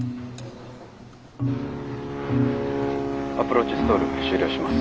アプローチストール終了します。